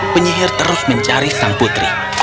penyihir terus mencari sang putri